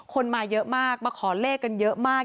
คนมาเยอะมากมาขอเลขกันเยอะมาก